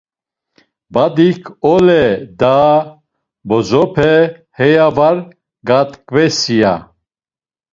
Badik, Oleee daaa bozooope heya var gaatkvesi ya.